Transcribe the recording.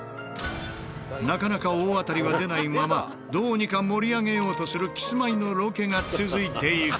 なかなか大当たりは出ないままどうにか盛り上げようとするキスマイのロケが続いていく。